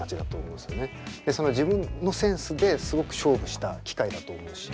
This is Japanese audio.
その自分のセンスですごく勝負した機械だと思うし。